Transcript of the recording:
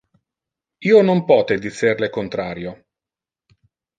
Io non pote dicer le contrario.